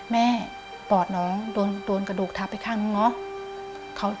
แม่ปอดน้องโดนกระดูกทับไปข้างนู้น